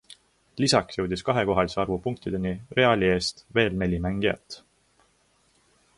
Lisaks jõudis kahekohalise arvu punktideni Reali eest veel neli mängijat.